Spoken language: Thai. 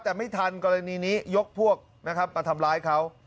แต่ไม่ทันกรณีนี้ยกพวกนะครับมาทำร้ายเขา